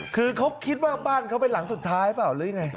คือเขาคิดว่าบ้านเขาเป็นหลังสุดท้ายเปล่าหรือยังไง